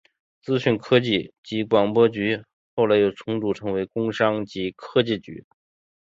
资讯科技及广播局后来又重组成工商及科技局。